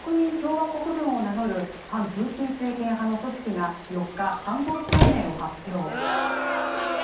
こうした中、国民共和国軍を名乗る反プーチン政権派の組織が４日、犯行声明を発表。